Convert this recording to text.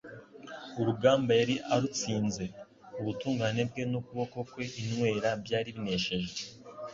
Urugamba yari arutsinze. Ubutungane bwe n'ukuboko kwe Inwera byari binesheje.